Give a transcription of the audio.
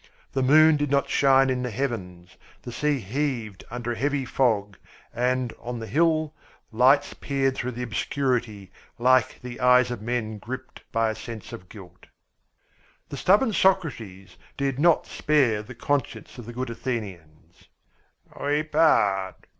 The moon did not shine in the heavens, the sea heaved under a heavy fog, and on the hills lights peered through the obscurity like the eyes of men gripped by a sense of guilt. The stubborn Socrates did not spare the conscience of the good Athenians. "We part!